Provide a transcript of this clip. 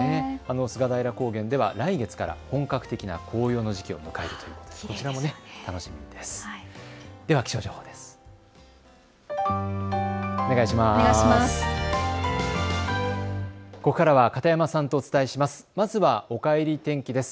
菅平高原では来月から本格的な紅葉の時期を迎えるということです。